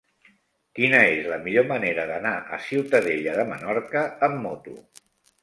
Quina és la millor manera d'anar a Ciutadella de Menorca amb moto?